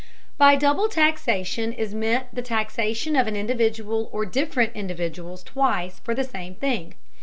By double taxation is meant the taxation of an individual or different individuals twice for the same thing.